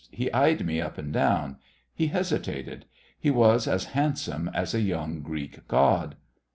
He eyed me up and down. He hesitated. He was as handsome as a young Greek god.